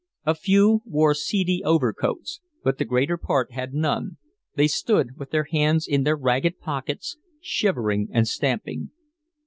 A few wore seedy overcoats, but the greater part had none, they stood with their hands in their ragged pockets, shivering and stamping.